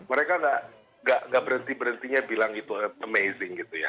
mereka nggak berhenti berhentinya bilang itu amazing gitu ya